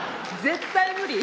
絶対無理。